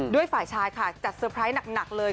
ฝ่ายชายค่ะจัดเตอร์ไพรส์หนักเลย